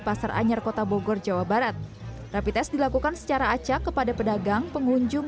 pasar anyar kota bogor jawa barat rapi tes dilakukan secara acak kepada pedagang pengunjung